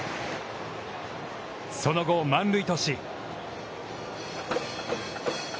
その後、満塁とし。